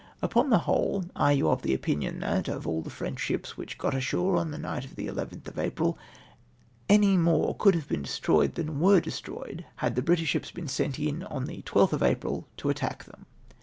—"•' Upon tlie whole, are you of opinion that, of all the French ships which got ashore on the night of the 11th of April, any more could have been destroyed than were destroyed had the British ships been earlier sent in on the 12th of April to attack them